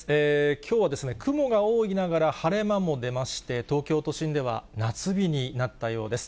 きょうは雲が多いながら、晴れ間も出まして、東京都心では夏日になったようです。